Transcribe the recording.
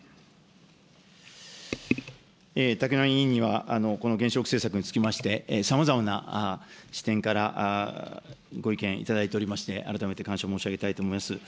滝波委員には、この原子力政策につきまして、さまざまな視点からご意見頂いておりまして、改めて感謝申し上げたいと思います。